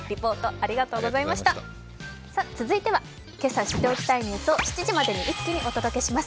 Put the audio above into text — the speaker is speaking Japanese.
続いては、今朝知っておきたいニュースを７時までに一気にお届けします。